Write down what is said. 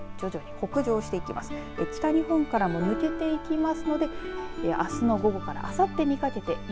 北日本からも抜けていきますのであすの午後からあさってにかけて雪